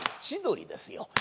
千鳥ですよ。